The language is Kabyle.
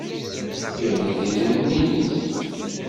Yerra-d idrimen-nnes.